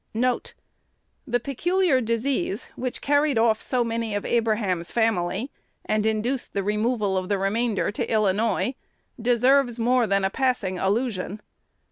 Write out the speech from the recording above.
1 The peculiar disease which carried off so many of Abraham's family, and induced the removal of the remainder to Illinois, deserves more than a passing allusion.